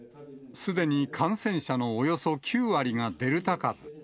すでに感染者のおよそ９割がデルタ株。